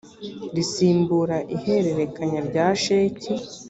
risimbura ihererekanya rya sheki